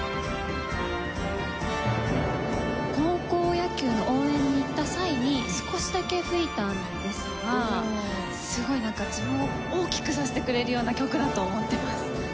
高校野球の応援に行った際に少しだけ吹いたんですがすごいなんか自分を大きくさせてくれるような曲だと思ってます。